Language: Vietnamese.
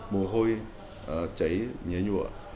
mùa hôi chảy nhẹ nhụa